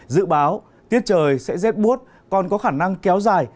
dự báo tiết trời sẽ rét bút còn có khả năng kéo dài